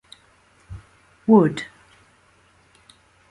Wood.